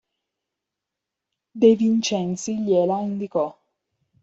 De Vincenzi gliela indicò.